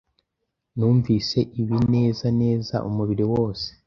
Numvise ibinezaneza umubiri wose.